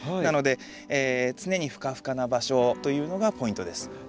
なので常にふかふかな場所というのがポイントです。